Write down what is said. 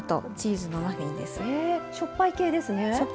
しょっぱい系ですね。